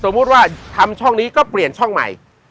ว่าทำช่องนี้ก็เปลี่ยนช่องใหม่